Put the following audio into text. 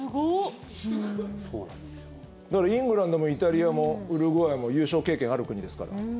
だから、イングランドもイタリアもウルグアイも優勝経験ある国ですから。